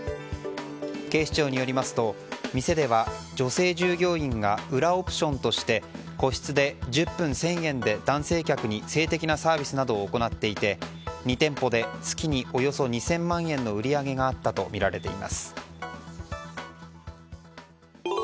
警視庁によりますと店では女性従業員が裏オプションとして個室で１０分１０００円で男性客に性的なサービスなどを行っていて２店舗で月におよそ２０００万円の売り上げがあったとみられています。